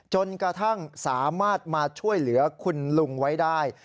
จนกระทั่งสามารถมาช่วยเหลือคุณลุงไว้ได้